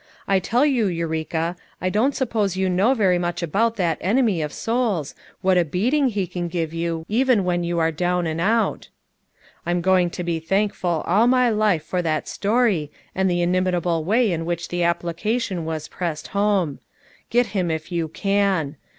I tell yon, Eureka, I don't sup pose you know very much about that enemy of souls, what a beating he can give you even when you are down and out. I'm going to be thank ful all my life for that story and the inimitable way in which the application was pressed home. 'Get him if you can!'